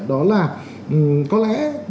đó là có lẽ